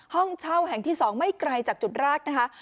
ห้องเช่าแห่งที่๒ไม่ไกลจากจุดแรกนะคะ